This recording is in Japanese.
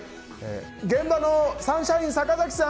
現場のサンシャインサカザキさん。